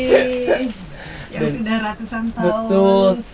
yang sudah ratusan tahun